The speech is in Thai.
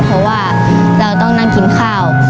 เพราะว่าเราต้องนั่งกินข้าว